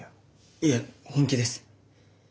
いえ本気です。